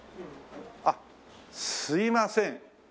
あっすいません。